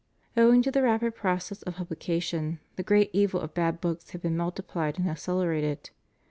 Owing to the rapid process of publica tion, the great evil of bad books had been multiplied and accelerated.